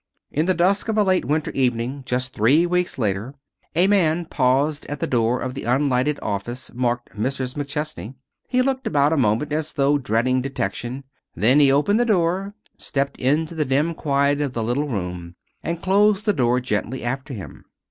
In the dusk of a late winter evening just three weeks later, a man paused at the door of the unlighted office marked "Mrs. McChesney." He looked about a moment, as though dreading detection. Then he opened the door, stepped into the dim quiet of the little room, and closed the door gently after him.